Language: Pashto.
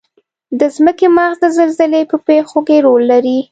د ځمکې مغز د زلزلې په پیښو کې رول لري.